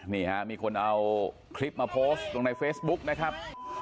นี่ฮะมีคนเอาคลิปมาโพสต์ลงในเฟซบุ๊กนะครับ